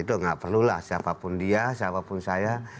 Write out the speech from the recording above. itu nggak perlu lah siapapun dia siapapun saya